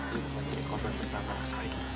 di rumah rekomen pertama langsung aja